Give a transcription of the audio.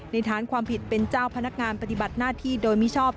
ฐานความผิดเป็นเจ้าพนักงานปฏิบัติหน้าที่โดยมิชอบ